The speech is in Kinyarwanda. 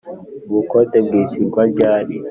Ubukode bwishyurwa ryari